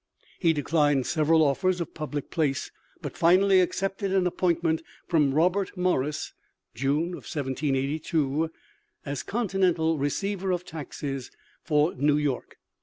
He declined several offers of public place, but finally accepted an appointment from Robert Morris (June, 1782) as continental receiver of taxes for New York.